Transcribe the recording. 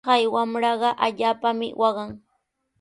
Kay wamraqa allaapami waqan.